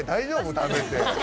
食べて。